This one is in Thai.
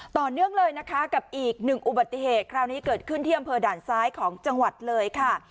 ต่อเนื่องเลยนะคะกับอีกหนึ่งอุบัติเหตุคราวนี้เกิดขึ้นที่อำเภอด่านซ้ายของจังหวัดเลยค่ะ